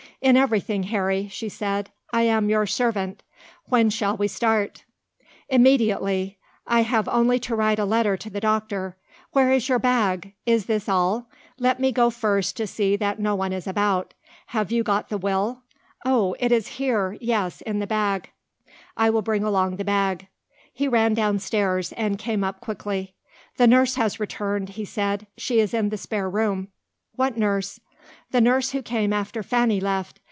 "In everything, Harry," she said, "I am your servant. When shall we start?" "Immediately. I have only to write a letter to the doctor. Where is your bag? Is this all? Let me go first to see that no one is about. Have you got the will? Oh! it is here yes in the bag. I will bring along the bag." He ran downstairs, and came up quickly. "The nurse has returned," he said. "She is in the spare room." "What nurse?" "The nurse who came after Fanny left.